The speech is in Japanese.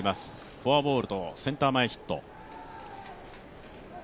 フォアボールとセンター前ヒット。